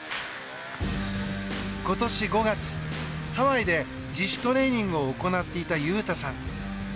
今年５月、ハワイで自主トレーニングを行っていた雄太さん。